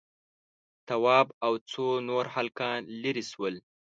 تواب او څو نور هلکان ليرې شول.